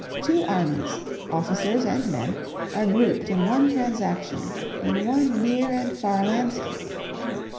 Two armies, officers and men, are grouped in one transaction, in one near and far landscape.